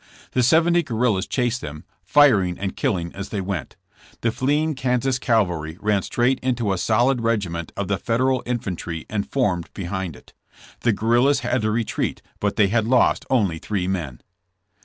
The seventy guerrillas chased them, firing and killing as they went. The fleeing Kansas cavalry ran straight into a solid regi ment of the Federal infantry and formed behind it. The guerrillas had to retreat but they had lost only three men.